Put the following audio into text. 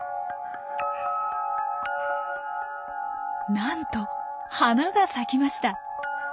なんと花が咲きました。